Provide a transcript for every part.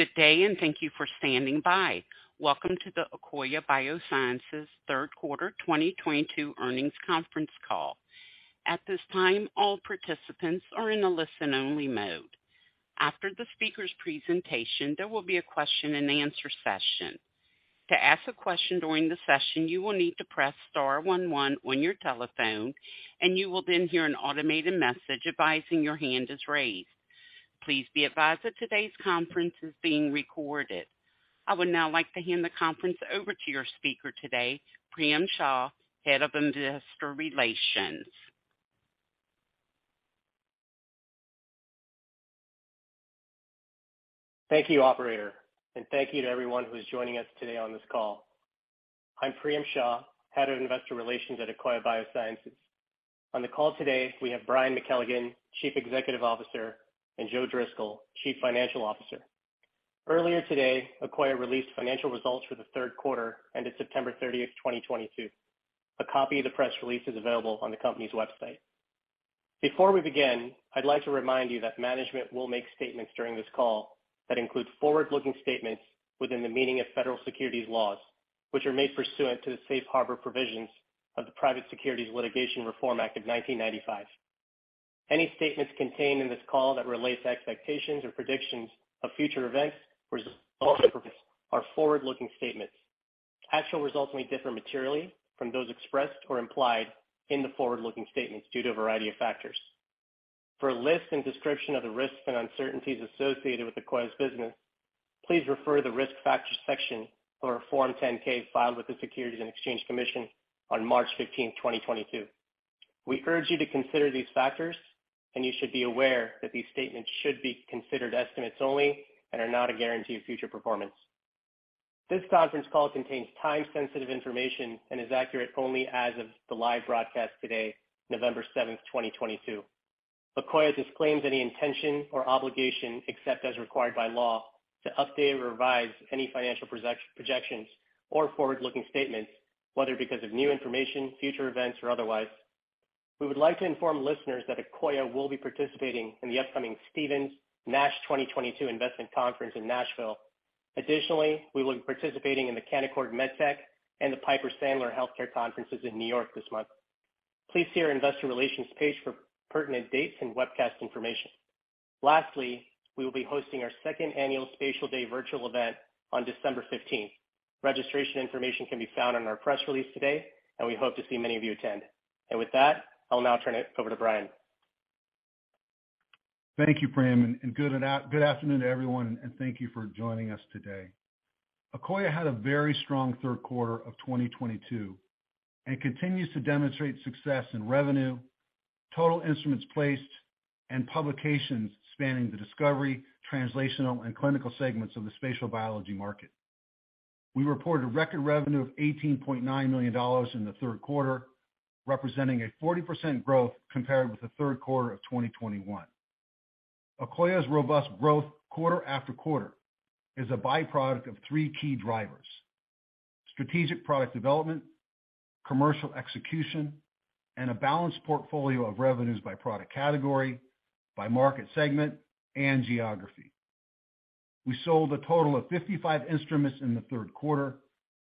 Good day, and thank you for standing by. Welcome to the Akoya Biosciences third quarter 2022 earnings conference call. At this time, all participants are in a listen-only mode. After the speaker's presentation, there will be a question and answer session. To ask a question during the session, you will need to press star one one on your telephone and you will then hear an automated message advising your hand is raised. Please be advised that today's conference is being recorded. I would now like to hand the conference over to your speaker today, Priyam Shah, Head of Investor Relations. Thank you, operator, and thank you to everyone who is joining us today on this call. I'm Priyam Shah, Head of Investor Relations at Akoya Biosciences. On the call today, we have Brian McKelligon, Chief Executive Officer, and Joe Driscoll, Chief Financial Officer. Earlier today, Akoya released financial results for the third quarter ended September 30th, 2022. A copy of the press release is available on the company's website. Before we begin, I'd like to remind you that management will make statements during this call that include forward-looking statements within the meaning of federal securities laws, which are made pursuant to the Safe Harbor provisions of the Private Securities Litigation Reform Act of 1995. Any statements contained in this call that relate to expectations or predictions of future events are forward-looking statements. Actual results may differ materially from those expressed or implied in the forward-looking statements due to a variety of factors. For a list and description of the risks and uncertainties associated with Akoya's business, please refer to the Risk Factors section of our Form 10-K filed with the Securities and Exchange Commission on March 15th, 2022. We urge you to consider these factors. You should be aware that these statements should be considered estimates only and are not a guarantee of future performance. This conference call contains time-sensitive information and is accurate only as of the live broadcast today, November 7th, 2022. Akoya disclaims any intention or obligation, except as required by law, to update or revise any financial projections or forward-looking statements, whether because of new information, future events, or otherwise. We would like to inform listeners that Akoya will be participating in the upcoming Stephens Nash 2022 Investment Conference in Nashville. Additionally, we will be participating in the Canaccord MedTech and the Piper Sandler Healthcare conferences in New York this month. Please see our investor relations page for pertinent dates and webcast information. Lastly, we will be hosting our second annual Spatial Day virtual event on December 15th. Registration information can be found on our press release today. We hope to see many of you attend. With that, I'll now turn it over to Brian. Thank you, Priyam, and good afternoon to everyone, and thank you for joining us today. Akoya had a very strong third quarter of 2022 and continues to demonstrate success in revenue, total instruments placed, and publications spanning the discovery, translational, and clinical segments of the spatial biology market. We reported a record revenue of $18.9 million in the third quarter, representing a 40% growth compared with the third quarter of 2021. Akoya's robust growth quarter after quarter is a byproduct of three key drivers: strategic product development, commercial execution, and a balanced portfolio of revenues by product category, by market segment, and geography. We sold a total of 55 instruments in the third quarter,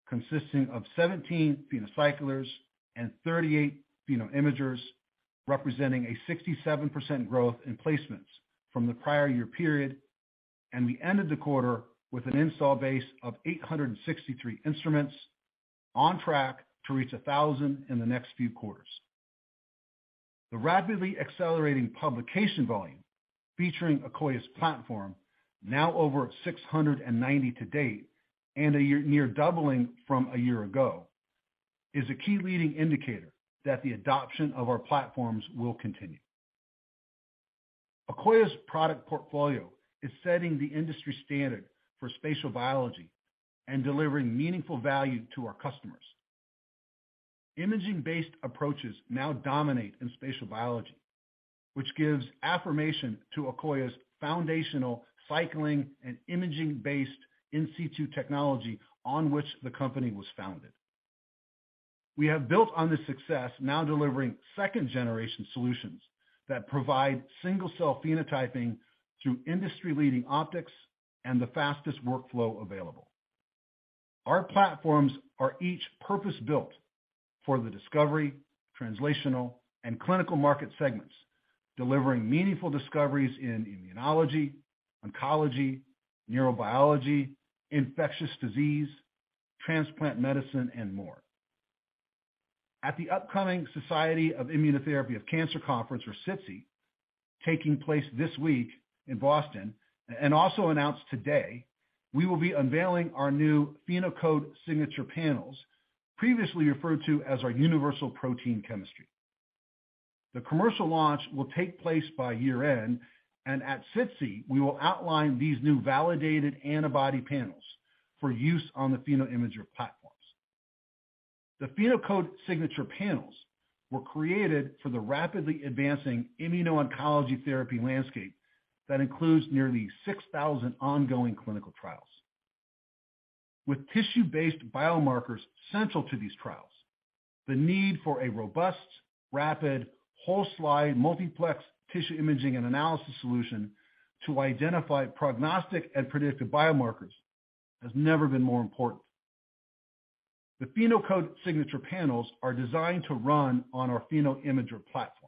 consisting of 17 PhenoCyclers and 38 PhenoImagers, representing a 67% growth in placements from the prior year period, and we ended the quarter with an install base of 863 instruments, on track to reach 1,000 in the next few quarters. The rapidly accelerating publication volume featuring Akoya's platform, now over 690 to date, and a near doubling from a year ago, is a key leading indicator that the adoption of our platforms will continue. Akoya's product portfolio is setting the industry standard for spatial biology and delivering meaningful value to our customers. Imaging-based approaches now dominate in spatial biology, which gives affirmation to Akoya's foundational cycling and imaging-based in situ technology on which the company was founded. We have built on this success, now delivering second-generation solutions that provide single-cell phenotyping through industry-leading optics and the fastest workflow available. Our platforms are each purpose-built for the discovery, translational, and clinical market segments, delivering meaningful discoveries in immunology, oncology, neurobiology, infectious disease, transplant medicine, and more. At the upcoming Society for Immunotherapy of Cancer conference, or SITC, taking place this week in Boston, and also announced today, we will be unveiling our new PhenoCode Signature Panels, previously referred to as our universal protein chemistry. The commercial launch will take place by year-end, and at SITC, we will outline these new validated antibody panels for use on the PhenoImager platforms. The PhenoCode Signature Panels were created for the rapidly advancing immuno-oncology therapy landscape that includes nearly 6,000 ongoing clinical trials. With tissue-based biomarkers central to these trials, the need for a robust, rapid, whole-slide multiplex tissue imaging and analysis solution to identify prognostic and predictive biomarkers has never been more important. The PhenoCode Signature Panels are designed to run on our PhenoImager platforms.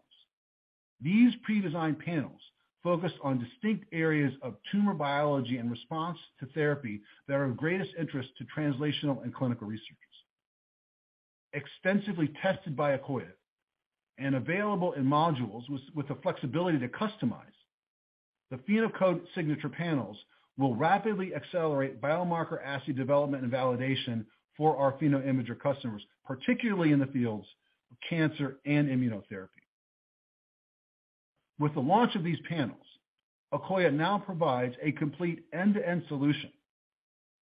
These pre-designed panels focus on distinct areas of tumor biology in response to therapy that are of greatest interest to translational and clinical researchers. Extensively tested by Akoya, and available in modules with the flexibility to customize, the PhenoCode Signature Panels will rapidly accelerate biomarker assay development and validation for our PhenoImager customers, particularly in the fields of cancer and immunotherapy. With the launch of these panels, Akoya now provides a complete end-to-end solution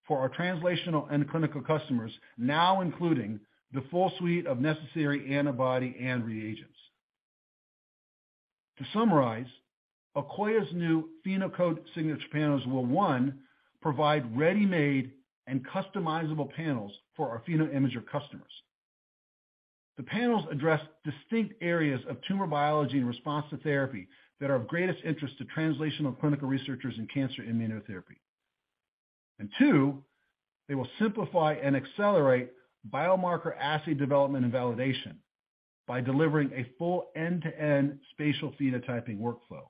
for our translational and clinical customers, now including the full suite of necessary antibody and reagents. To summarize, Akoya's new PhenoCode Signature Panels will, one, provide ready-made and customizable panels for our PhenoImager customers. The panels address distinct areas of tumor biology in response to therapy that are of greatest interest to translational clinical researchers in cancer immunotherapy. Two, they will simplify and accelerate biomarker assay development and validation by delivering a full end-to-end spatial phenotyping workflow.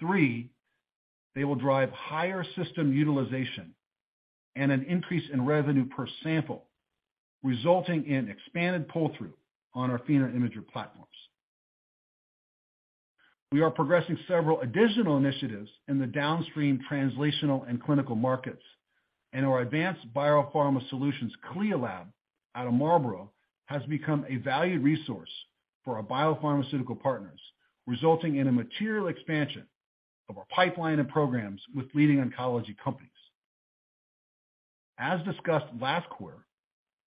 Three, they will drive higher system utilization and an increase in revenue per sample, resulting in expanded pull-through on our PhenoImager platforms. We are progressing several additional initiatives in the downstream translational and clinical markets, and our Advanced Biopharma Solutions CLIA lab out of Marlborough has become a valued resource for our biopharmaceutical partners, resulting in a material expansion of our pipeline and programs with leading oncology companies. As discussed last quarter,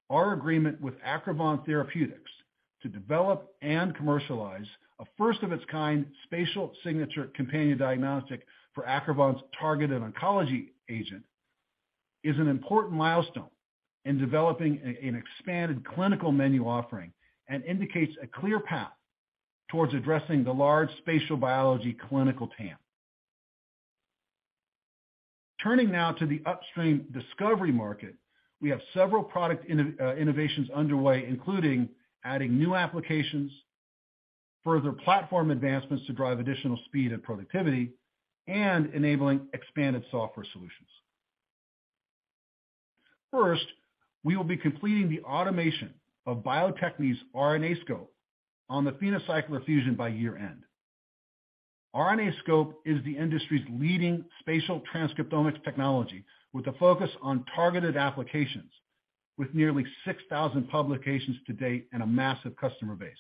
our agreement with Acrivon Therapeutics to develop and commercialize a first-of-its-kind spatial signature companion diagnostic for Acrivon's targeted oncology agent is an important milestone in developing an expanded clinical menu offering and indicates a clear path towards addressing the large spatial biology clinical TAM. Turning now to the upstream discovery market, we have several product innovations underway including adding new applications, further platform advancements to drive additional speed and productivity, and enabling expanded software solutions. First, we will be completing the automation of Bio-Techne's RNAscope on the PhenoCycler-Fusion by year-end. RNAscope is the industry's leading spatial transcriptomics technology, with a focus on targeted applications with nearly 6,000 publications to date and a massive customer base.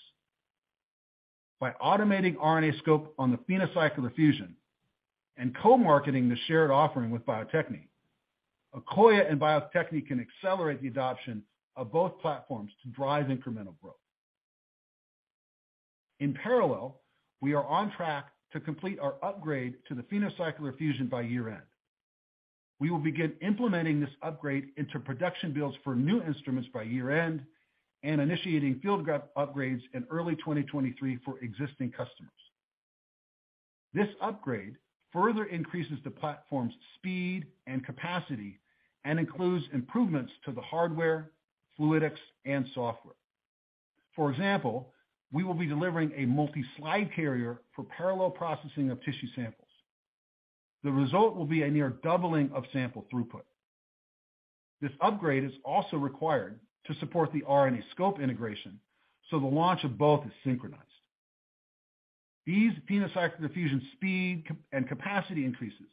By automating RNAscope on the PhenoCycler-Fusion and co-marketing the shared offering with Bio-Techne, Akoya and Bio-Techne can accelerate the adoption of both platforms to drive incremental growth. In parallel, we are on track to complete our upgrade to the PhenoCycler-Fusion by year-end. We will begin implementing this upgrade into production builds for new instruments by year-end and initiating field upgrades in early 2023 for existing customers. This upgrade further increases the platform's speed and capacity and includes improvements to the hardware, fluidics, and software. For example, we will be delivering a multi-slide carrier for parallel processing of tissue samples. The result will be a near doubling of sample throughput. This upgrade is also required to support the RNAscope integration, so the launch of both is synchronized. These PhenoCycler-Fusion speed and capacity increases,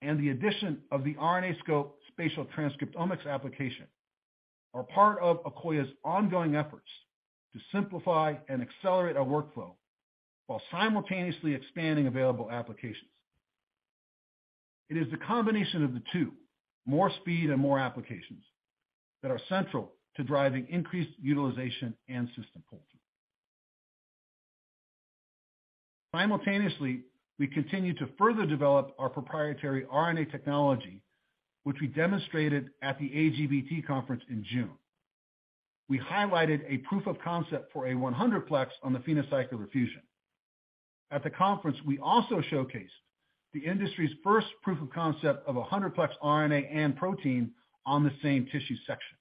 and the addition of the RNAscope spatial transcriptomics application are part of Akoya's ongoing efforts to simplify and accelerate our workflow while simultaneously expanding available applications. It is the combination of the two, more speed and more applications, that are central to driving increased utilization and system pull-through. Simultaneously, we continue to further develop our proprietary RNA technology, which we demonstrated at the AGBT conference in June. We highlighted a proof of concept for a 100-plex on the PhenoCycler-Fusion. At the conference, we also showcased the industry's first proof of concept of 100-plex RNA and protein on the same tissue section.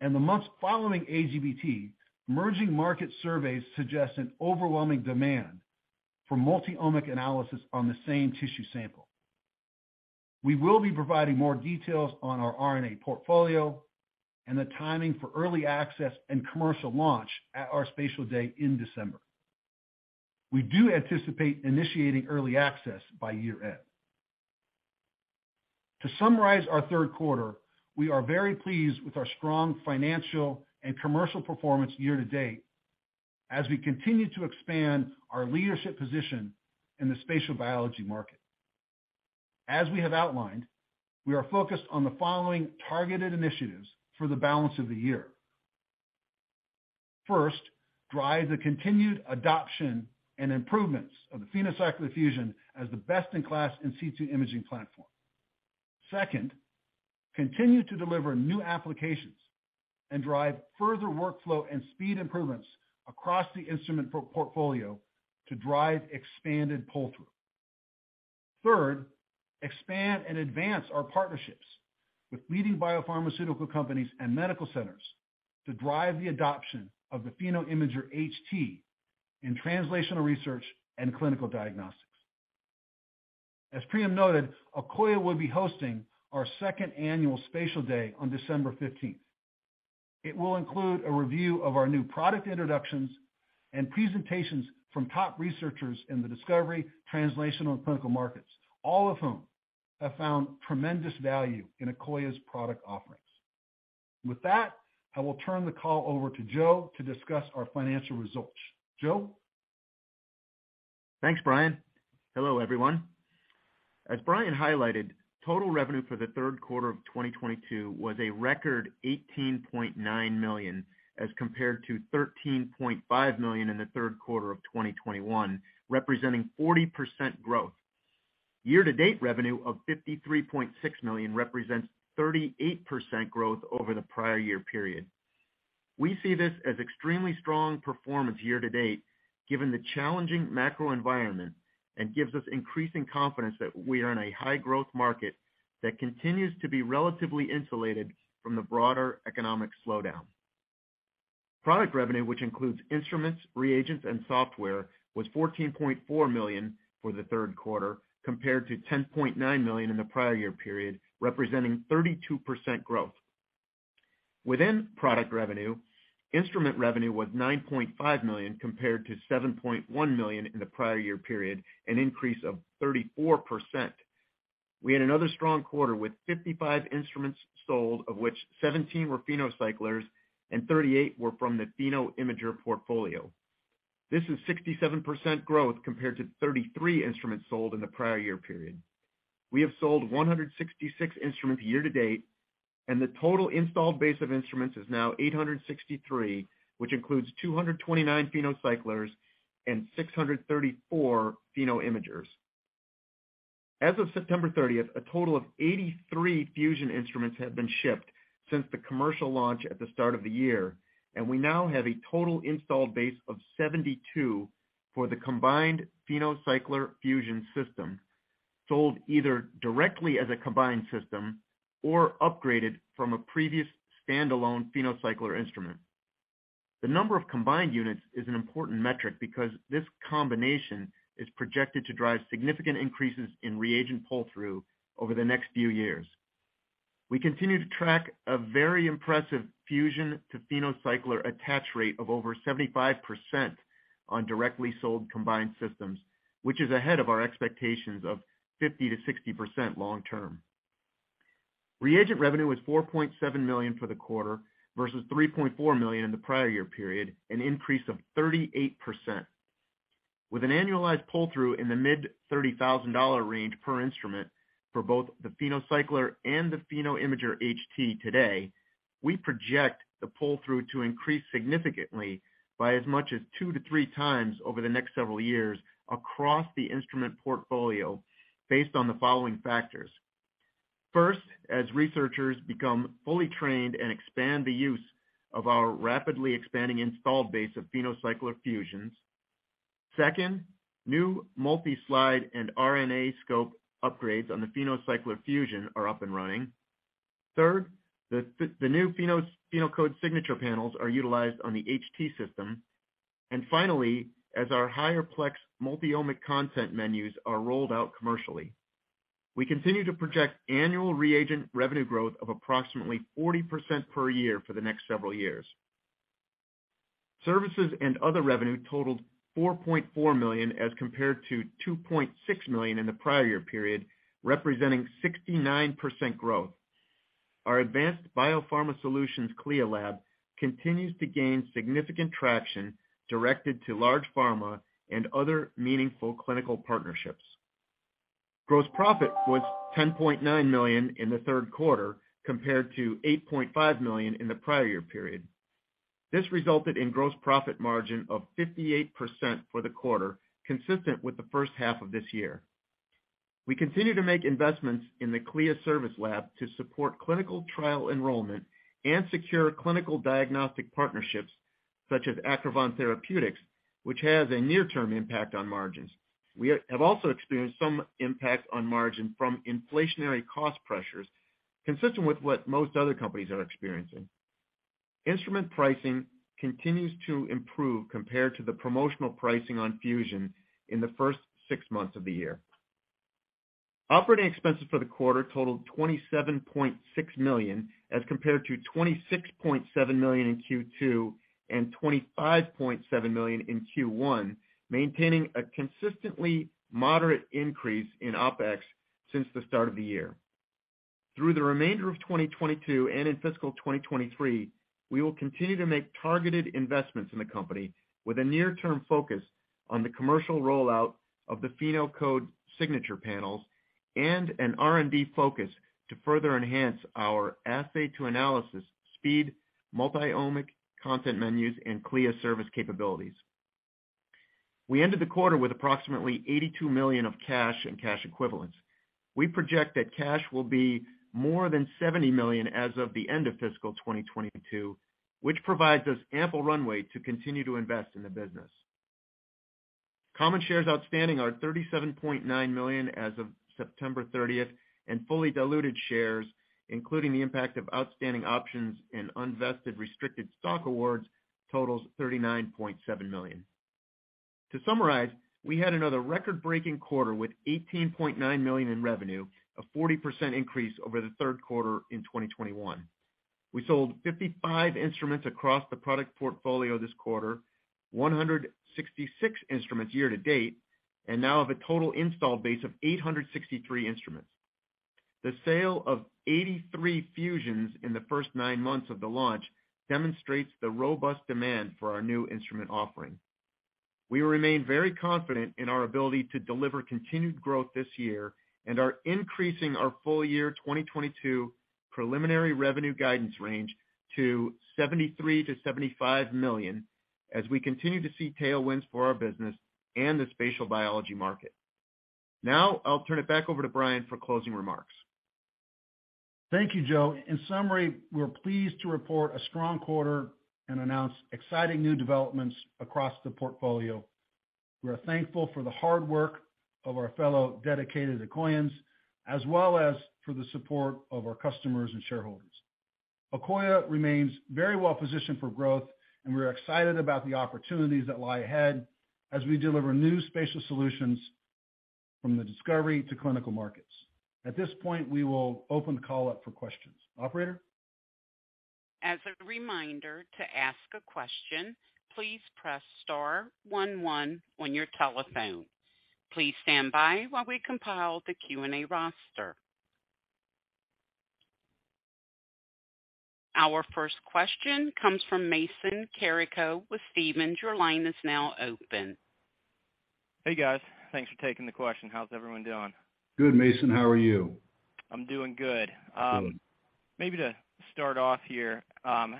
In the months following AGBT, emerging market surveys suggest an overwhelming demand for multi-omic analysis on the same tissue sample. We will be providing more details on our RNA portfolio and the timing for early access and commercial launch at our Spatial Day in December. We do anticipate initiating early access by year-end. To summarize our third quarter, we are very pleased with our strong financial and commercial performance year to date as we continue to expand our leadership position in the spatial biology market. As we have outlined, we are focused on the following targeted initiatives for the balance of the year. First, drive the continued adoption and improvements of the PhenoCycler-Fusion as the best-in-class in situ imaging platform. Second, continue to deliver new applications and drive further workflow and speed improvements across the instrument portfolio to drive expanded pull-through. Third, expand and advance our partnerships with leading biopharmaceutical companies and medical centers to drive the adoption of the PhenoImager HT in translational research and clinical diagnostics. As Priyam noted, Akoya will be hosting our second annual Spatial Day on December 15th. It will include a review of our new product introductions and presentations from top researchers in the discovery, translation, and clinical markets, all of whom have found tremendous value in Akoya's product offerings. With that, I will turn the call over to Joe to discuss our financial results. Joe? Thanks, Brian. Hello, everyone. As Brian highlighted, total revenue for the third quarter of 2022 was a record $18.9 million, as compared to $13.5 million in the third quarter of 2021, representing 40% growth. Year-to-date revenue of $53.6 million represents 38% growth over the prior year period. We see this as extremely strong performance year-to-date, given the challenging macro environment, and gives us increasing confidence that we are in a high-growth market that continues to be relatively insulated from the broader economic slowdown. Product revenue, which includes instruments, reagents, and software, was $14.4 million for the third quarter, compared to $10.9 million in the prior year period, representing 32% growth. Within product revenue, instrument revenue was $9.5 million compared to $7.1 million in the prior year period, an increase of 34%. We had another strong quarter with 55 instruments sold, of which 17 were PhenoCyclers and 38 were from the PhenoImager portfolio. This is 67% growth compared to 33 instruments sold in the prior year period. We have sold 166 instruments year-to-date, and the total installed base of instruments is now 863, which includes 229 PhenoCyclers and 634 PhenoImagers. As of September 30th, a total of 83 PhenoCycler-Fusion instruments have been shipped since the commercial launch at the start of the year, and we now have a total installed base of 72 for the combined PhenoCycler PhenoCycler-Fusion system, sold either directly as a combined system or upgraded from a previous standalone PhenoCycler instrument. The number of combined units is an important metric because this combination is projected to drive significant increases in reagent pull-through over the next few years. We continue to track a very impressive PhenoCycler-Fusion to PhenoCycler attach rate of over 75% on directly sold combined systems, which is ahead of our expectations of 50%-60% long term. Reagent revenue was $4.7 million for the quarter versus $3.4 million in the prior year period, an increase of 38%. With an annualized pull-through in the mid-$30,000 range per instrument for both the PhenoCycler and the PhenoImager HT today, we project the pull-through to increase significantly by as much as two to three times over the next several years across the instrument portfolio based on the following factors. First, as researchers become fully trained and expand the use of our rapidly expanding installed base of PhenoCycler Fusions. Second, new multi-slide and RNAscope upgrades on the PhenoCycler PhenoCycler-Fusion are up and running. Third, the new PhenoCode Signature Panels are utilized on the HT system. Finally, as our higher plex multi-omic content menus are rolled out commercially, we continue to project annual reagent revenue growth of approximately 40% per year for the next several years. Services and other revenue totaled $4.4 million as compared to $2.6 million in the prior year period, representing 69% growth. Our Advanced Biopharma Solutions CLIA lab continues to gain significant traction directed to large pharma and other meaningful clinical partnerships. Gross profit was $10.9 million in the third quarter, compared to $8.5 million in the prior year period. This resulted in gross profit margin of 58% for the quarter, consistent with the first half of this year. We continue to make investments in the CLIA service lab to support clinical trial enrollment and secure clinical diagnostic partnerships such as Acrivon Therapeutics, which has a near-term impact on margins. We have also experienced some impact on margin from inflationary cost pressures, consistent with what most other companies are experiencing. Instrument pricing continues to improve compared to the promotional pricing on PhenoCycler-Fusion in the first six months of the year. Operating expenses for the quarter totaled $27.6 million, as compared to $26.7 million in Q2 and $25.7 million in Q1, maintaining a consistently moderate increase in OpEx since the start of the year. Through the remainder of 2022 and in fiscal 2023, we will continue to make targeted investments in the company with a near-term focus on the commercial rollout of the PhenoCode Signature Panels. An R&D focus to further enhance our assay to analysis speed, multi-omic content menus, and CLIA service capabilities. We ended the quarter with approximately $82 million of cash and cash equivalents. We project that cash will be more than $70 million as of the end of fiscal 2022, which provides us ample runway to continue to invest in the business. Common shares outstanding are 37.9 million as of September 30th, and fully diluted shares, including the impact of outstanding options and unvested restricted stock awards, totals 39.7 million. To summarize, we had another record-breaking quarter with $18.9 million in revenue, a 40% increase over the third quarter in 2021. We sold 55 instruments across the product portfolio this quarter, 166 instruments year to date, and now have a total install base of 863 instruments. The sale of 83 Fusions in the first nine months of the launch demonstrates the robust demand for our new instrument offering. We remain very confident in our ability to deliver continued growth this year and are increasing our full year 2022 preliminary revenue guidance range to $73 million-$75 million as we continue to see tailwinds for our business and the spatial biology market. Now I'll turn it back over to Brian for closing remarks. Thank you, Joe. In summary, we're pleased to report a strong quarter and announce exciting new developments across the portfolio. We are thankful for the hard work of our fellow dedicated Akoyans, as well as for the support of our customers and shareholders. Akoya remains very well positioned for growth, and we're excited about the opportunities that lie ahead as we deliver new spatial solutions from the discovery to clinical markets. At this point, we will open the call up for questions. Operator? As a reminder, to ask a question, please press star one one on your telephone. Please stand by while we compile the Q&A roster. Our first question comes from Mason Carrico with Stephens. Your line is now open. Hey, guys. Thanks for taking the question. How's everyone doing? Good, Mason. How are you? I'm doing good. Good. Maybe to start off here, how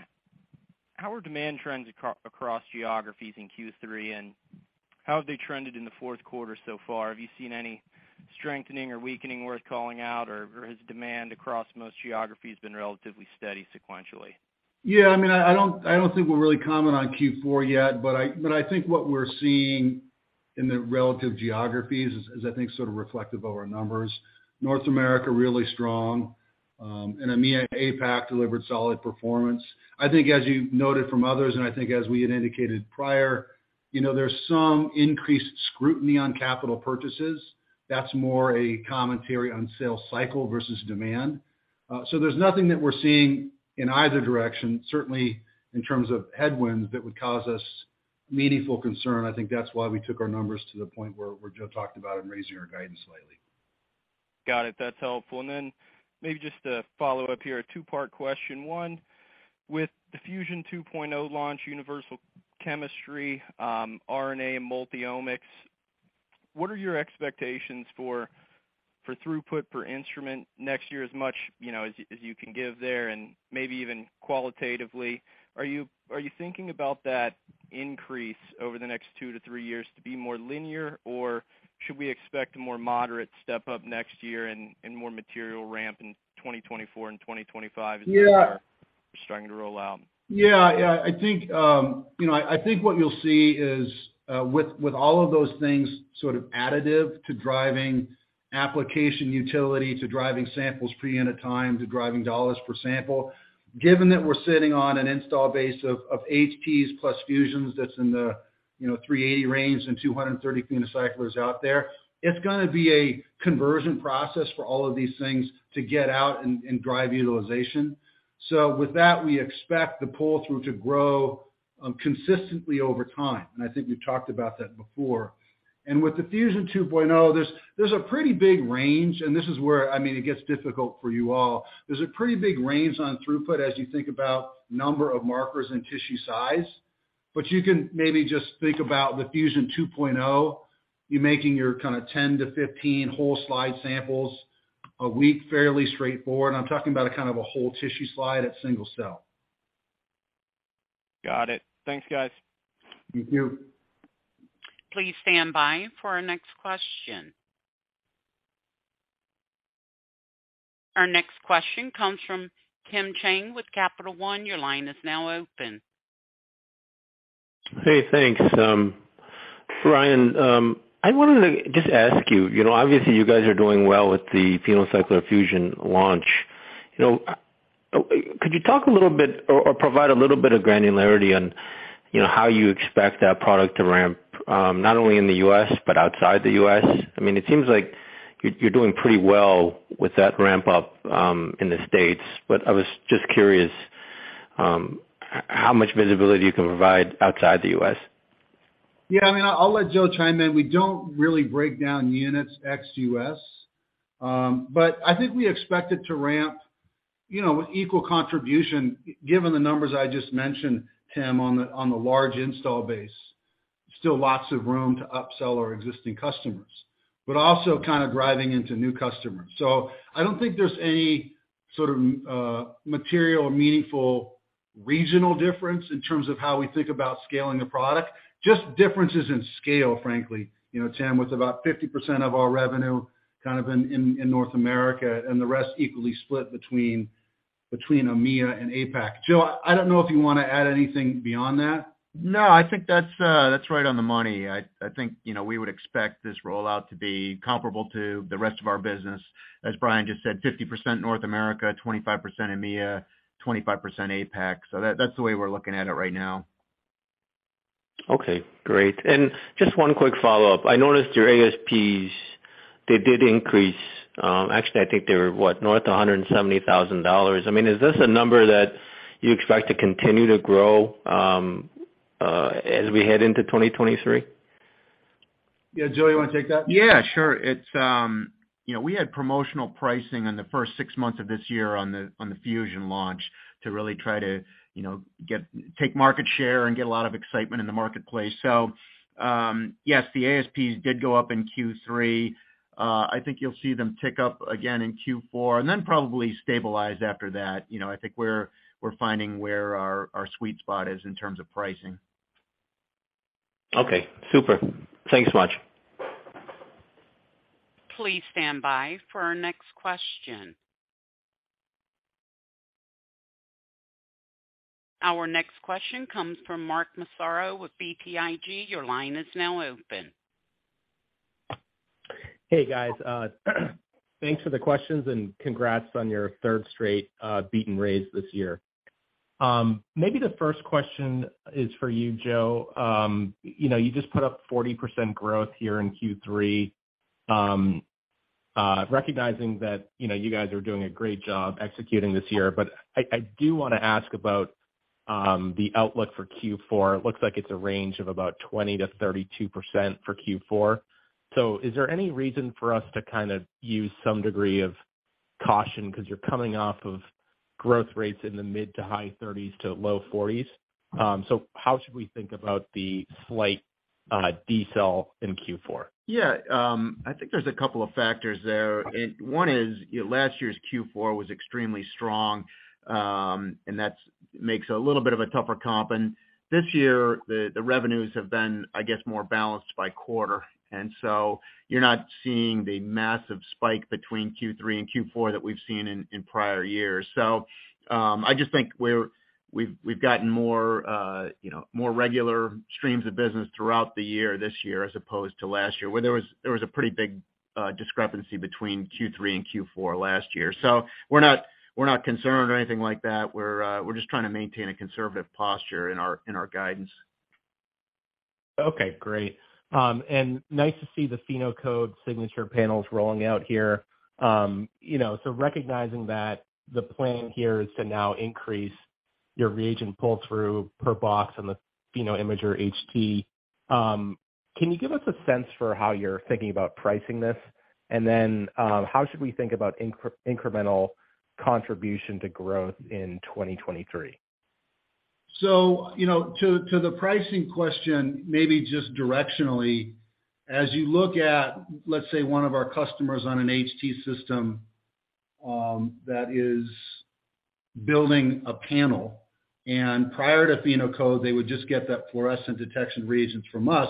are demand trends across geographies in Q3, and how have they trended in the fourth quarter so far? Have you seen any strengthening or weakening worth calling out, or has demand across most geographies been relatively steady sequentially? I don't think we'll really comment on Q4 yet, what we're seeing in the relative geographies is I think sort of reflective of our numbers. North America, really strong, EMEA, APAC delivered solid performance. I think as you noted from others, as we had indicated prior, there's some increased scrutiny on capital purchases. That's more a commentary on sales cycle versus demand. There's nothing that we're seeing in either direction, certainly in terms of headwinds, that would cause us meaningful concern. I think that's why we took our numbers to the point where Joe talked about in raising our guidance slightly. Got it. That's helpful. Then maybe just to follow up here, a two-part question. One, with the PhenoCycler-Fusion 2.0 launch, universal chemistry, RNA and multi-omics, what are your expectations for throughput per instrument next year, as much as you can give there, and maybe even qualitatively. Are you thinking about that increase over the next two to three years to be more linear, or should we expect a more moderate step-up next year and more material ramp in 2024 and 2025? Yeah You're starting to roll out? Yeah. I think what you'll see is, with all of those things sort of additive to driving application utility, to driving samples pre- into time, to driving $ per sample. Given that we're sitting on an install base of HPs plus Fusions, that's in the 380 range and 230 PhenoCyclers out there, it's going to be a conversion process for all of these things to get out and drive utilization. With that, we expect the pull-through to grow consistently over time, and I think we've talked about that before. With the PhenoCycler-Fusion 2.0, there's a pretty big range, and this is where it gets difficult for you all. There's a pretty big range on throughput as you think about number of markers and tissue size. You can maybe just think about the PhenoCycler-Fusion 2.0, you making your kind of 10-15 whole slide samples a week, fairly straightforward. I'm talking about a kind of a whole tissue slide at single cell. Got it. Thanks, guys. Thank you. Please stand by for our next question. Our next question comes from Tim Chang with Capital One. Your line is now open. Hey, thanks. Brian, I wanted to just ask you, obviously, you guys are doing well with the PhenoCycler PhenoCycler-Fusion launch. Could you talk a little bit, or provide a little bit of granularity on how you expect that product to ramp, not only in the U.S. but outside the U.S.? It seems like you're doing pretty well with that ramp up in the States, but I was just curious how much visibility you can provide outside the U.S. Yeah, I'll let Joe chime in. We don't really break down units ex-U.S. I think we expect it to ramp with equal contribution, given the numbers I just mentioned, Tim, on the large install base. Still lots of room to upsell our existing customers, but also driving into new customers. I don't think there's any sort of material or meaningful regional difference in terms of how we think about scaling the product, just differences in scale, frankly. Tim, with about 50% of our revenue in North America and the rest equally split between EMEA and APAC. Joe, I don't know if you want to add anything beyond that. No, I think that's right on the money. I think we would expect this rollout to be comparable to the rest of our business. As Brian just said, 50% North America, 25% EMEA, 25% APAC. That's the way we're looking at it right now. Okay, great. Just one quick follow-up. I noticed your ASPs, they did increase. Actually, I think they were, what, north of $170,000. Is this a number that you expect to continue to grow as we head into 2023? Yeah. Joe, you want to take that? Yeah, sure. We had promotional pricing in the first six months of this year on the Fusion Launch to really try to take market share and get a lot of excitement in the marketplace. Yes, the ASPs did go up in Q3. I think you'll see them tick up again in Q4, then probably stabilize after that. I think we're finding where our sweet spot is in terms of pricing. Okay, super. Thanks much. Please stand by for our next question. Our next question comes from Mark Massaro with BTIG. Your line is now open. Hey, guys. Thanks for the questions. Congrats on your third straight beat and raise this year. Maybe the first question is for you, Joe. You just put up 40% growth here in Q3. Recognizing that you guys are doing a great job executing this year, I do want to ask about the outlook for Q4. It looks like it's a range of about 20%-32% for Q4. Is there any reason for us to use some degree of caution because you're coming off of growth rates in the mid to high 30s to low 40s? How should we think about the slight decel in Q4? I think there's a couple of factors there. One is, last year's Q4 was extremely strong, that makes a little bit of a tougher comp. This year, the revenues have been, I guess, more balanced by quarter, you're not seeing the massive spike between Q3 and Q4 that we've seen in prior years. I just think we've gotten more regular streams of business throughout the year this year as opposed to last year, where there was a pretty big discrepancy between Q3 and Q4 last year. We're not concerned or anything like that. We're just trying to maintain a conservative posture in our guidance. Okay, great. Nice to see the PhenoCode Signature Panels rolling out here. Recognizing that the plan here is to now increase your reagent pull-through per box on the PhenoImager HT, can you give us a sense for how you're thinking about pricing this? Then, how should we think about incremental contribution to growth in 2023? To the pricing question, maybe just directionally, as you look at, let's say, one of our customers on an HT system that is building a panel, prior to PhenoCode, they would just get that fluorescent detection reagents from us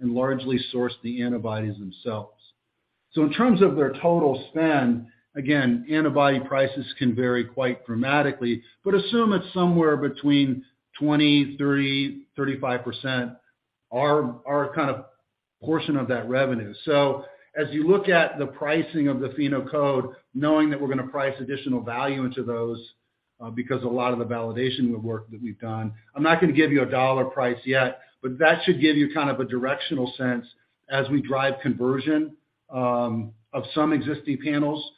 and largely source the antibodies themselves. In terms of their total spend, again, antibody prices can vary quite dramatically, but assume it's somewhere between 20%, 30%, 35% our portion of that revenue. As you look at the pricing of the PhenoCode, knowing that we're going to price additional value into those, because a lot of the validation work that we've done, I'm not going to give you a dollar price yet. That should give you a directional sense as we drive conversion of some existing panels.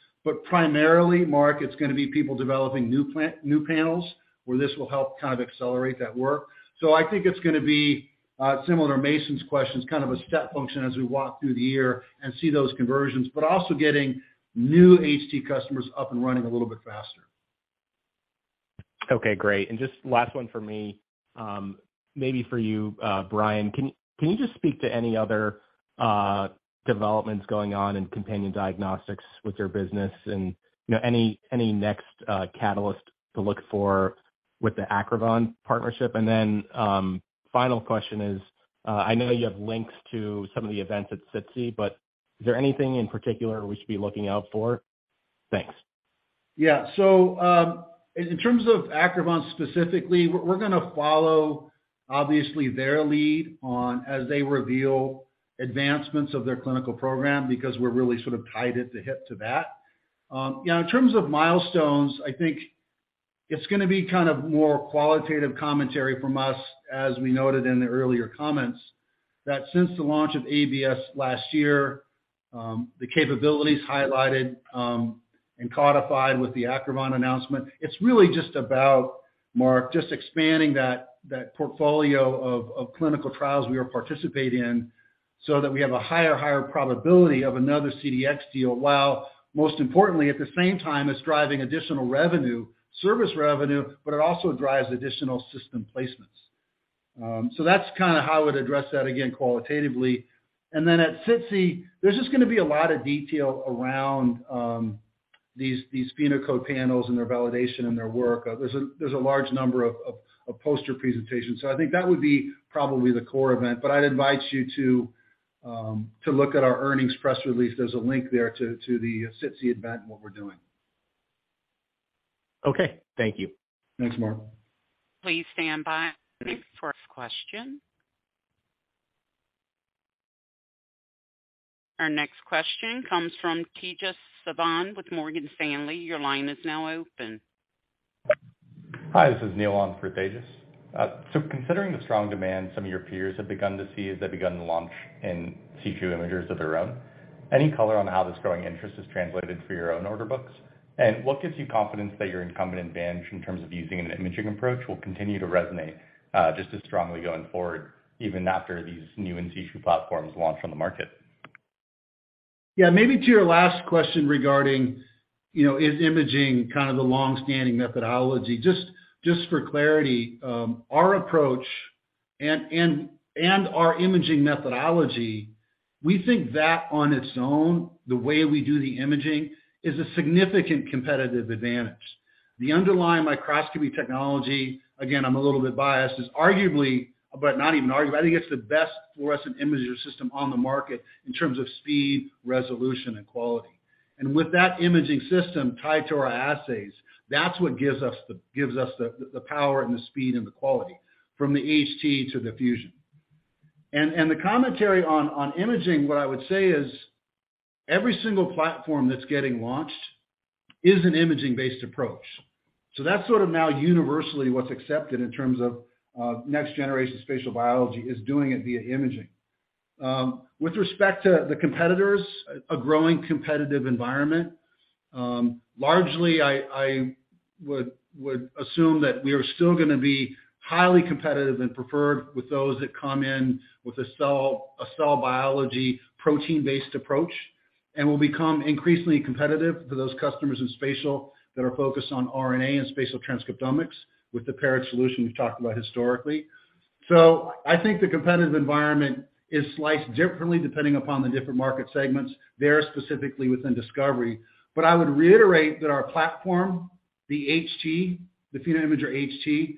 Primarily, Mark, it's going to be people developing new panels, where this will help accelerate that work. I think it's going to be similar to Mason's questions, kind of a step function as we walk through the year and see those conversions, but also getting new HT customers up and running a little bit faster. Okay, great. Just last one for me, maybe for you, Brian. Can you just speak to any other developments going on in companion diagnostics with your business and any next catalyst to look for with the Acrivon partnership? Final question is, I know you have links to some of the events at SITC, but is there anything in particular we should be looking out for? Thanks. In terms of Acrivon specifically, we're going to follow, obviously, their lead as they reveal advancements of their clinical program, because we're really sort of tied at the hip to that. In terms of milestones, I think it's going to be more qualitative commentary from us, as we noted in the earlier comments, that since the launch of ABS last year, the capabilities highlighted and codified with the Acrivon announcement, it's really just about, Mark, just expanding that portfolio of clinical trials we are participating in so that we have a higher probability of another CDx deal, while most importantly, at the same time, it's driving additional service revenue, but it also drives additional system placements. That's how I would address that again, qualitatively. At SITC, there's just going to be a lot of detail around these PhenoCode panels and their validation and their work. There's a large number of poster presentations. I think that would be probably the core event, but I'd invite you to look at our earnings press release. There's a link there to the SITC event and what we're doing. Okay. Thank you. Thanks, Mark. Please stand by for next question. Our next question comes from Tejas Savant with Morgan Stanley. Your line is now open. Hi, this is Neil on for Tejas. Considering the strong demand some of your peers have begun to see as they've begun to launch in tissue imagers of their own, any color on how this growing interest has translated for your own order books? What gives you confidence that your incumbent advantage in terms of using an imaging approach will continue to resonate just as strongly going forward, even after these new in-tissue platforms launch on the market? Maybe to your last question regarding, is imaging kind of the long-standing methodology, just for clarity, our approach and our imaging methodology, we think that on its own, the way we do the imaging, is a significant competitive advantage. The underlying microscopy technology, again, I'm a little bit biased, I think it's the best fluorescent imager system on the market in terms of speed, resolution, and quality. With that imaging system tied to our assays, that's what gives us the power and the speed and the quality from the HT to the Fusion. The commentary on imaging, what I would say is, every single platform that's getting launched is an imaging-based approach. That's sort of now universally what's accepted in terms of next-generation spatial biology is doing it via imaging. With respect to the competitors, a growing competitive environment, largely, I would assume that we are still going to be highly competitive and preferred with those that come in with a cell biology protein-based approach and will become increasingly competitive for those customers in spatial that are focused on RNA and spatial transcriptomics with the paired solution we've talked about historically. I think the competitive environment is sliced differently depending upon the different market segments, there specifically within discovery. I would reiterate that our platform, the PhenoImager HT,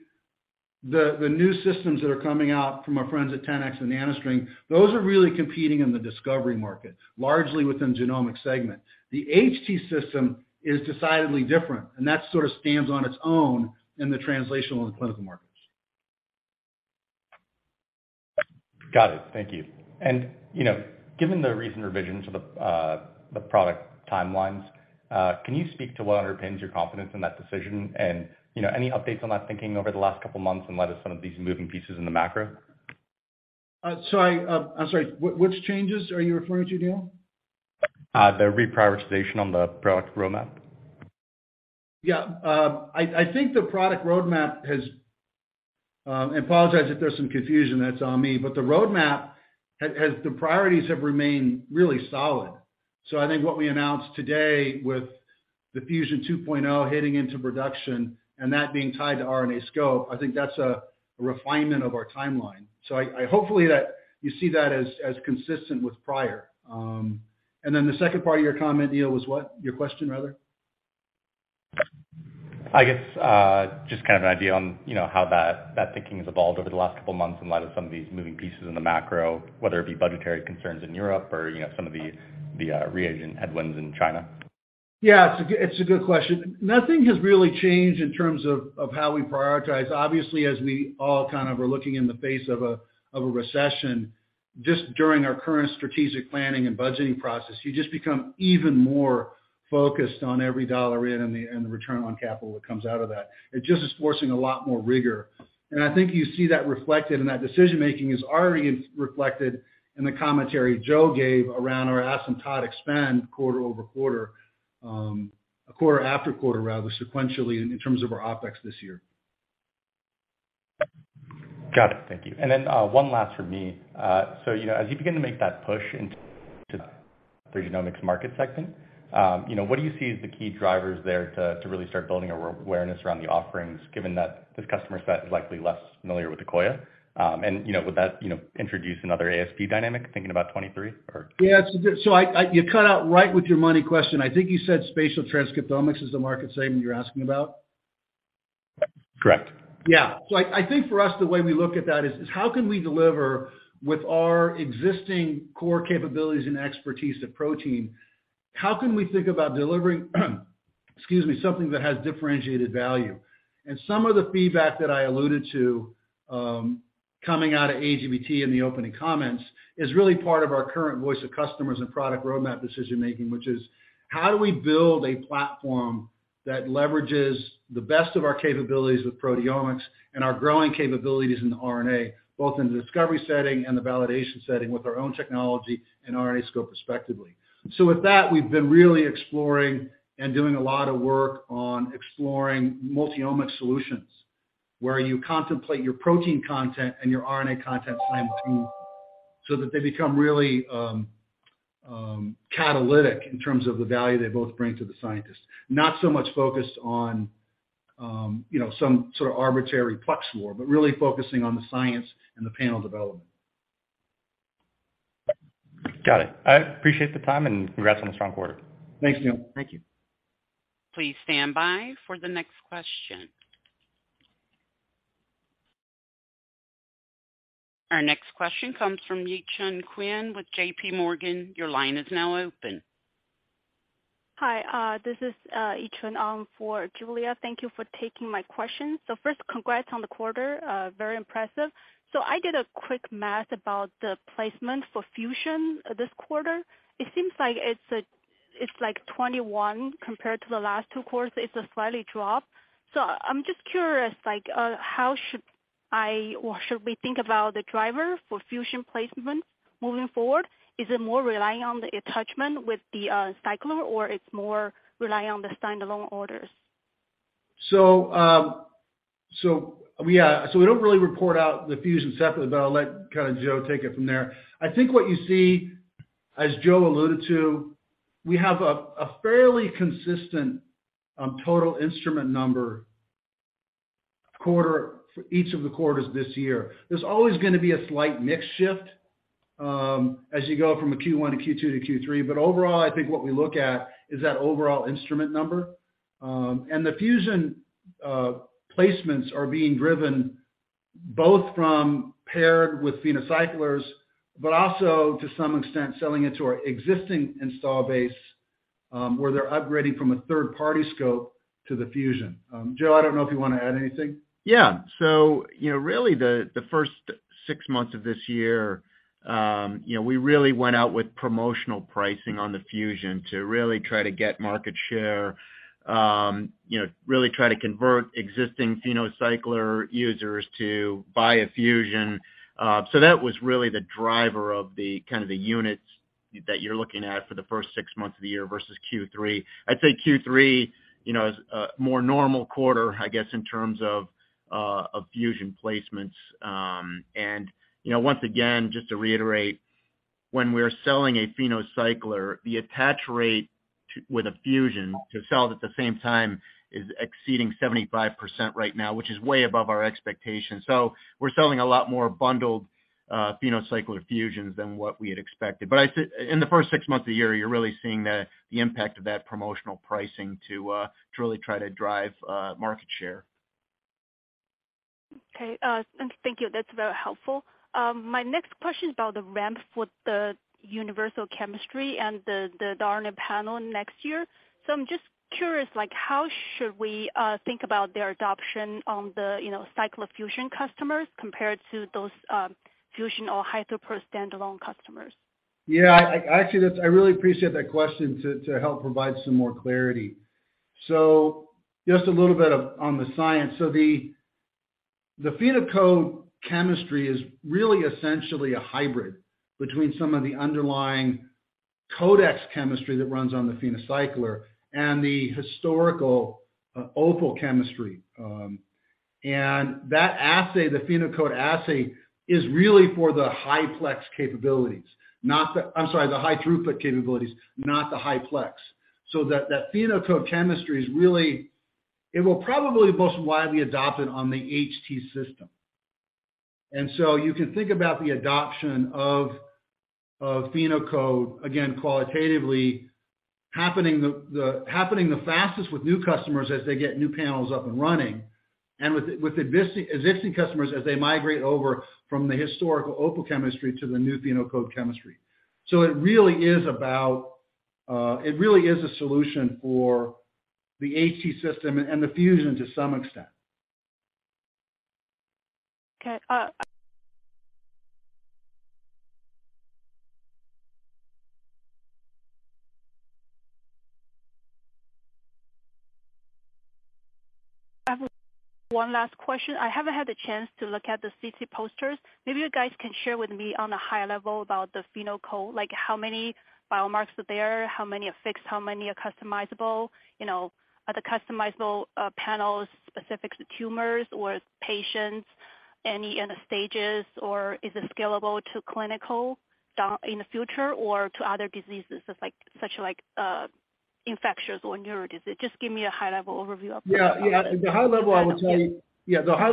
the new systems that are coming out from our friends at 10x Genomics and NanoString Technologies, those are really competing in the discovery market, largely within genomic segment. The HT system is decidedly different, and that sort of stands on its own in the translational and clinical markets. Got it. Thank you. Given the recent revisions of the product timelines, can you speak to what underpins your confidence in that decision and, any updates on that thinking over the last couple of months in light of some of these moving pieces in the macro? I'm sorry, which changes are you referring to, Neil? The reprioritization on the product roadmap. Yeah. I think the product roadmap. I apologize if there's some confusion, that's on me, but the roadmap, the priorities have remained really solid. I think what we announced today with the Fusion 2.0 hitting into production and that being tied to RNAscope, I think that's a refinement of our timeline. Hopefully you see that as consistent with prior. Then the second part of your comment, Neil, was what? Your question, rather? I guess, just kind of an idea on how that thinking has evolved over the last couple of months in light of some of these moving pieces in the macro, whether it be budgetary concerns in Europe or some of the reagent headwinds in China. Yeah, it's a good question. Nothing has really changed in terms of how we prioritize. Obviously, as we all kind of are looking in the face of a recession, just during our current strategic planning and budgeting process, you just become even more focused on every dollar in and the return on capital that comes out of that. It just is forcing a lot more rigor. I think you see that reflected in that decision-making is already reflected in the commentary Joe gave around our asymptotic spend quarter-over-quarter, quarter after quarter, rather, sequentially in terms of our OpEx this year. Got it. Thank you. Then, one last from me. As you begin to make that push into the genomics market segment, what do you see as the key drivers there to really start building awareness around the offerings, given that this customer set is likely less familiar with Akoya? Would that introduce another ASP dynamic, thinking about 2023, or? Yeah. You cut out right with your money question. I think you said spatial transcriptomics is the market segment you're asking about? Correct. I think for us, the way we look at that is how can we deliver with our existing core capabilities and expertise to protein, how can we think about delivering something that has differentiated value? Some of the feedback that I alluded to coming out of AGBT in the opening comments is really part of our current voice of customers and product roadmap decision-making, which is how do we build a platform that leverages the best of our capabilities with proteomics and our growing capabilities in the RNA, both in the discovery setting and the validation setting with our own technology and RNAscope respectively. With that, we've been really exploring and doing a lot of work on exploring multi-omics solutions where you contemplate your protein content and your RNA content simultaneously so that they become really catalytic in terms of the value they both bring to the scientist. Not so much focused on some sort of arbitrary plex war, but really focusing on the science and the panel development. Got it. I appreciate the time and congrats on a strong quarter. Thanks, Neil. Thank you. Please stand by for the next question. Our next question comes from Yichun Qin with J.P. Morgan. Your line is now open. Hi, this is Yichun for Julia. Thank you for taking my question. First, congrats on the quarter. Very impressive. I did a quick math about the placement for Fusion this quarter. It seems like it's 21 compared to the last two quarters, it's a slight drop. I'm just curious, how should I, or should we think about the driver for Fusion placement moving forward? Is it more relying on the attachment with the Cycler or it's more relying on the standalone orders? We don't really report out the PhenoCycler-Fusion separately, but I'll let Joe take it from there. I think what you see, as Joe alluded to, we have a fairly consistent, total instrument number for each of the quarters this year. There's always going to be a slight mix shift, as you go from a Q1 to Q2 to Q3. Overall, I think what we look at is that overall instrument number. The PhenoCycler-Fusion placements are being driven both from paired with PhenoCyclers, but also, to some extent, selling into our existing install base, where they're upgrading from a third-party scope to the PhenoCycler-Fusion. Joe, I don't know if you want to add anything. Yeah. Really the first six months of this year, we really went out with promotional pricing on the PhenoCycler-Fusion to really try to get market share, really try to convert existing PhenoCycler users to buy a PhenoCycler-Fusion. That was really the driver of the units that you're looking at for the first six months of the year versus Q3. I'd say Q3 is a more normal quarter, I guess, in terms of PhenoCycler-Fusion placements. Once again, just to reiterate, when we're selling a PhenoCycler, the attach rate with a PhenoCycler-Fusion to sell it at the same time is exceeding 75% right now, which is way above our expectations. We're selling a lot more bundled PhenoCycler-Fusions than what we had expected. In the first six months of the year, you're really seeing the impact of that promotional pricing to truly try to drive market share. Okay. Thank you. That's very helpful. My next question is about the ramp for the universal chemistry and the RNA panel next year. I'm just curious, how should we think about their adoption on the PhenoCycler-Fusion customers compared to those PhenoCycler-Fusion or HyFlex standalone customers? Yeah. Actually, I really appreciate that question to help provide some more clarity. Just a little bit on the science. The PhenoCode chemistry is really essentially a hybrid between some of the underlying CODEX chemistry that runs on the PhenoCycler and the historical OPAL chemistry. That assay, the PhenoCode assay, is really for the high throughput capabilities, not the high plex. That PhenoCode chemistry is really it will probably be most widely adopted on the HT system. You can think about the adoption of PhenoCode, again, qualitatively happening the fastest with new customers as they get new panels up and running, and with existing customers as they migrate over from the historical OPAL chemistry to the new PhenoCode chemistry. It really is a solution for the HT system and the PhenoCycler-Fusion to some extent. Okay. I have one last question. I haven't had the chance to look at the SITC posters. Maybe you guys can share with me on a high level about the PhenoCode, like how many biomarkers are there, how many are fixed, how many are customizable? Are the customizable panels specific to tumors or patients? Any end stages, or is it scalable to clinical in the future or to other diseases such like infectious or neuro diseases? Just give me a high-level overview of it. Yeah. The high level I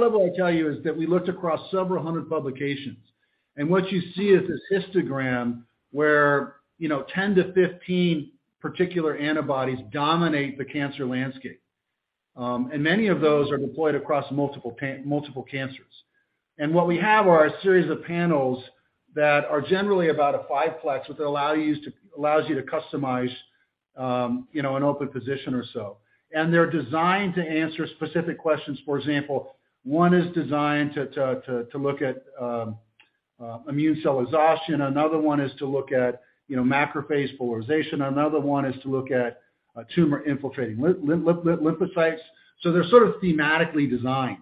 will tell you is that we looked across several hundred publications, and what you see is this histogram where 10-15 particular antibodies dominate the cancer landscape. Many of those are deployed across multiple cancers. What we have are a series of panels that are generally about a five plex, which allows you to customize an open position or so. They're designed to answer specific questions. For example, one is designed to look at immune cell exhaustion. Another one is to look at macrophage polarization. Another one is to look at tumor-infiltrating lymphocytes. They're sort of thematically designed.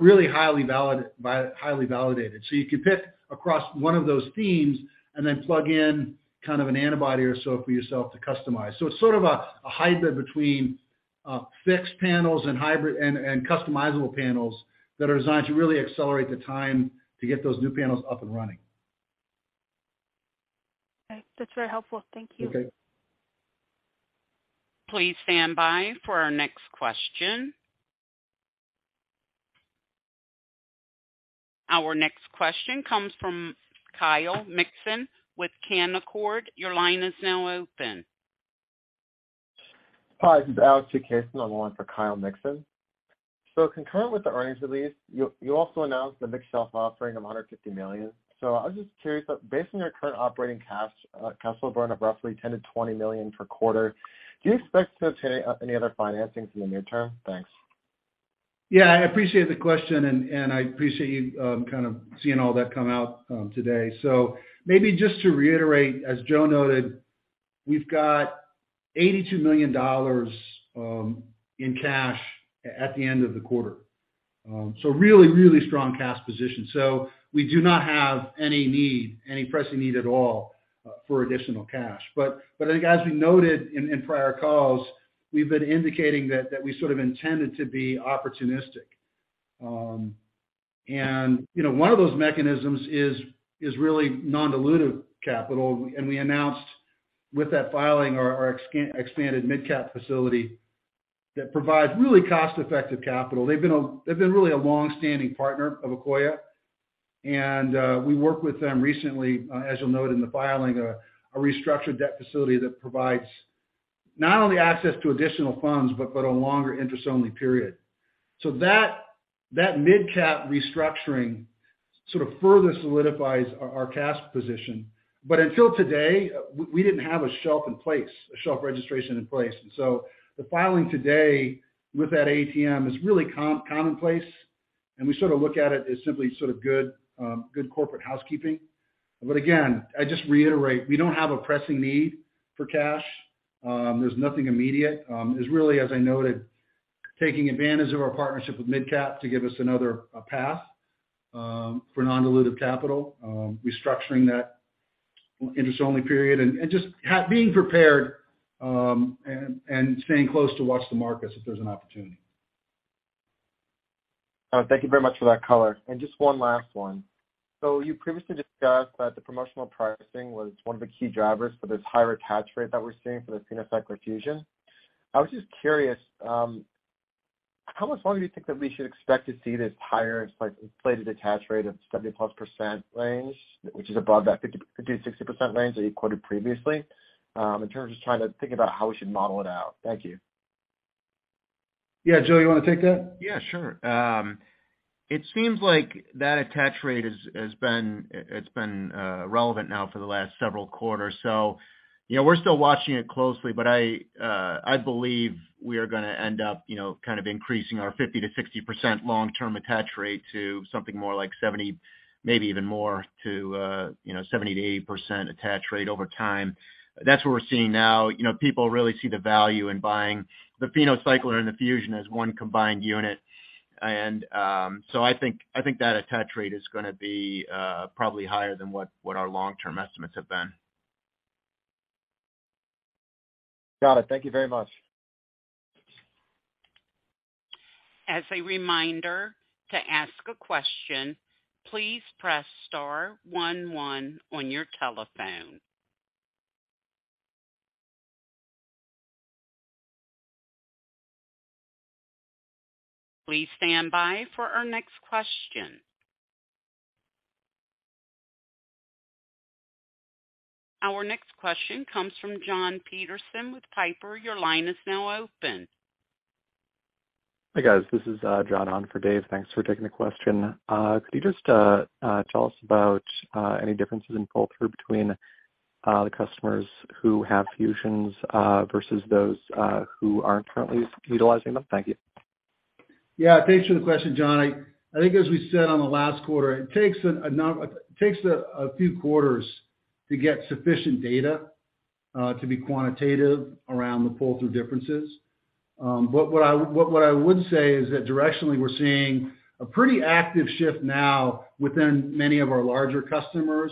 Really highly validated. You could pick across one of those themes and then plug in kind of an antibody or so for yourself to customize. It's sort of a hybrid between fixed panels and customizable panels that are designed to really accelerate the time to get those new panels up and running. Okay. That's very helpful. Thank you. Okay. Please stand by for our next question. Our next question comes from Kyle Mikson with Canaccord. Your line is now open. Hi, this is Alex I appreciate the question, and I appreciate you kind of seeing all that come out today. Maybe just to reiterate, as Joe noted, we've got $82 million in cash at the end of the quarter. Really strong cash position. We do not have any pressing need at all for additional cash. I think as we noted in prior calls, we've been indicating that we sort of intended to be opportunistic. One of those mechanisms is really non-dilutive capital, and we announced with that filing our expanded MidCap facility that provides really cost-effective capital. They've been really a longstanding partner of Akoya, and we worked with them recently, as you'll note in the filing, a restructured debt facility that provides not only access to additional funds, but a longer interest-only period. That MidCap restructuring sort of further solidifies our cash position. Until today, we didn't have a shelf in place, a shelf registration in place. The filing today with that ATM is really commonplace, and we sort of look at it as simply sort of good corporate housekeeping. Again, I just reiterate, we don't have a pressing need for cash. There's nothing immediate. It's really, as I noted, taking advantage of our partnership with MidCap to give us another path for non-dilutive capital, restructuring that interest-only period, and just being prepared, and staying close to watch the markets if there's an opportunity. Thank you very much for that color. Just one last one. You previously discussed that the promotional pricing was one of the key drivers for this higher attach rate that we're seeing for the PhenoCycler-Fusion. I was just curious, how much longer do you think that we should expect to see this higher inflated attach rate of 70-plus% range, which is above that 50%, 60% range that you quoted previously, in terms of just trying to think about how we should model it out. Thank you. Yeah. Joe, you want to take that? Yeah, sure. It seems like that attach rate has been relevant now for the last several quarters. We're still watching it closely, but I believe we are going to end up kind of increasing our 50%-60% long-term attach rate to something more like 70%, maybe even more to 70%-80% attach rate over time. That's what we're seeing now. People really see the value in buying the PhenoCycler and the PhenoCycler-Fusion as one combined unit. I think that attach rate is going to be probably higher than what our long-term estimates have been. Got it. Thank you very much. As a reminder, to ask a question, please press star 11 on your telephone. Please stand by for our next question. Our next question comes from Jon Petersen with Piper. Your line is now open. Hi, guys. This is Jon on for David. Thanks for taking the question. Could you just tell us about any differences in pull-through between the customers who have Fusions, versus those who aren't currently utilizing them? Thank you. Yeah, thanks for the question, Jon. I think as we said on the last quarter, it takes a few quarters to get sufficient data to be quantitative around the pull-through differences. What I would say is that directionally, we're seeing a pretty active shift now within many of our larger customers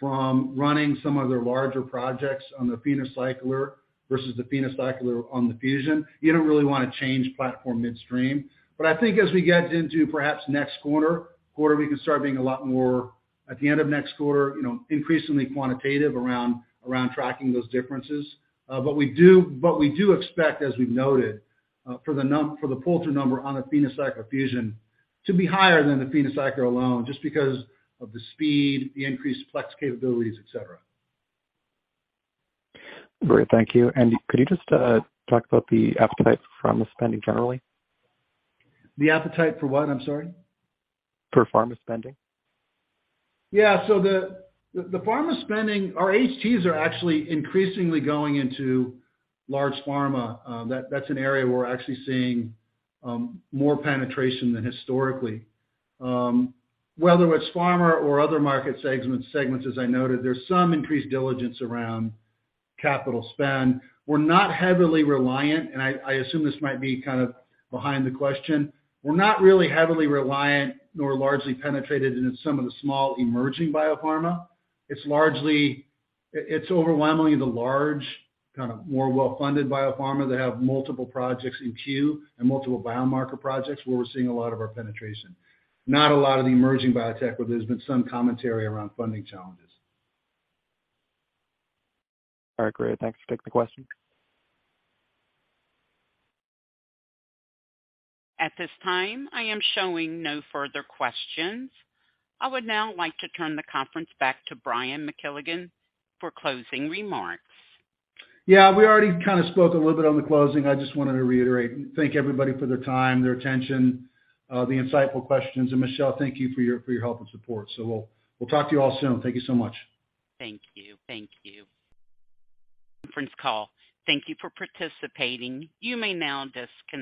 from running some of their larger projects on the PhenoCycler versus the PhenoCycler on the PhenoCycler-Fusion. You don't really want to change platform midstream. I think as we get into perhaps next quarter, we can start being a lot more, at the end of next quarter, increasingly quantitative around tracking those differences. We do expect, as we've noted, for the pull-through number on the PhenoCycler-Fusion to be higher than the PhenoCycler alone, just because of the speed, the increased flex capabilities, et cetera. Great. Thank you. Could you just talk about the appetite for pharma spending generally? The appetite for what? I'm sorry. For pharma spending. Yeah. The pharma spending, our HTs are actually increasingly going into large pharma. That's an area we're actually seeing more penetration than historically. Whether it's pharma or other market segments, as I noted, there's some increased diligence around capital spend. We're not heavily reliant, and I assume this might be kind of behind the question. We're not really heavily reliant nor largely penetrated into some of the small emerging biopharma. It's overwhelmingly the large, kind of more well-funded biopharma that have multiple projects in queue and multiple biomarker projects where we're seeing a lot of our penetration. Not a lot of the emerging biotech, where there's been some commentary around funding challenges. All right, great. Thanks for taking the question. At this time, I am showing no further questions. I would now like to turn the conference back to Brian McKelligon for closing remarks. Yeah. We already kind of spoke a little bit on the closing. I just wanted to reiterate and thank everybody for their time, their attention, the insightful questions. Michelle, thank you for your help and support. We'll talk to you all soon. Thank you so much. Thank you. Conference call. Thank you for participating. You may now disconnect.